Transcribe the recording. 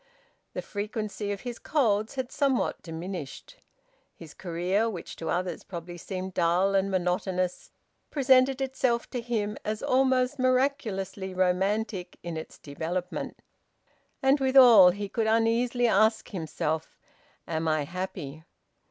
The frequency of his colds had somewhat diminished. His career, which to others probably seemed dull and monotonous, presented itself to him as almost miraculously romantic in its development. And withal he could uneasily ask himself, "Am I happy?"